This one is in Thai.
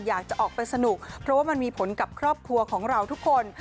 อยากจะออกไปสนุกเพราะว่ามันมีผลกับครอบครัวของเราทุกคน